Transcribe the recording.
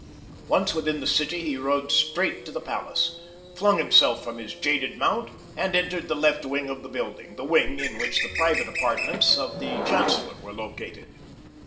Once within the city he rode straight to the palace, flung himself from his jaded mount, and entered the left wing of the building—the wing in which the private apartments of the chancellor were located.